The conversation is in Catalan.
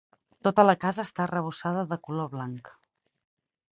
Tota la casa està arrebossada de color blanc.